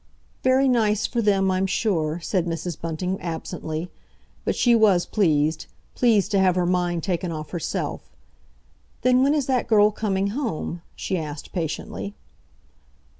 "Very nice for them, I'm sure," said Mrs. Bunting absently. But she was pleased—pleased to have her mind taken off herself. "Then when is that girl coming home?" she asked patiently.